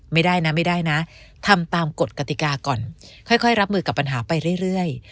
ไม่ได้นะไม่ได้นะทำตามกฎกติกาก่อนค่อยรับมือกับปัญหาไปเรื่อย